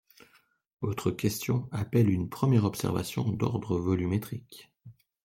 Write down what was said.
Votre question appelle une première observation d’ordre volumétrique.